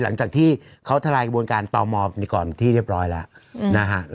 หลังจากที่เขาทลายกระบวนการต่อมอไปก่อนที่เรียบร้อยแล้วนะฮะ